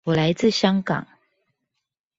我來自香港